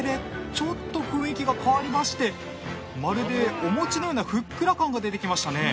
ちょっと雰囲気が変わりましてまるでお餅のようなふっくら感が出てきましたね。